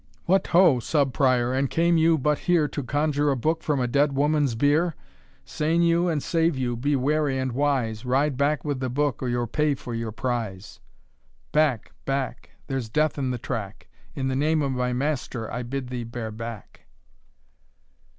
"What, ho! Sub Prior, and came you but here To conjure a book from a dead woman's bier? Sain you, and save you, be wary and wise, Ride back with the book, or you'll pay for your prize. Back, back. There's death in the track! In the name of my master I bid thee bear back."